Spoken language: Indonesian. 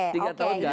tiga tahun gak ada